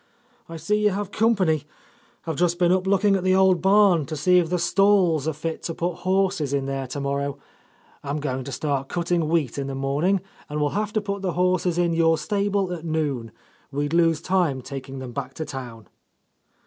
"I see you have company. I've just been up looking at the old barn, to see if the stalls are fit to put horses in there tomorrow. I'm going to start cutting wheat in the morning, and we'll have to put the horses in your stable at noon. We'd lose time taking them back to town."